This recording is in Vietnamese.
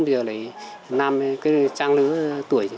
bây giờ lại nam trang nữ tuổi